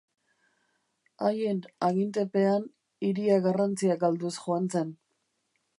Haien agintepean, hiria garrantzia galduz joan zen.